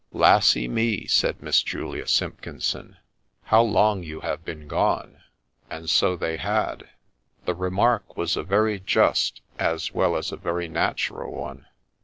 ' Lassy me 1 ' said Miss Julia Simpkinson, ' how long you have been gone !' And so they had. The remark was a very just as well as a very natural one.